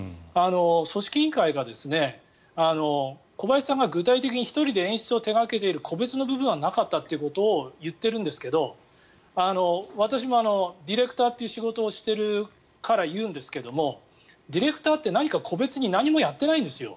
組織委員会が小林さんが具体的に１人で演出を手掛けている個別の部分はなかったということを言ってるんですが私もディレクターという仕事をしているから言うんですけどディレクターって何か個別に何もやってないんですよ。